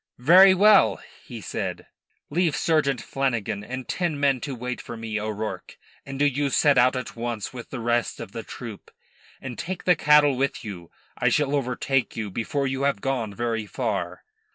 "Very well," he said. "Leave Sergeant Flanagan and ten men to wait for me, O'Rourke, and do you set out at once with the rest of the troop. And take the cattle with you. I shall overtake you before you have gone very far."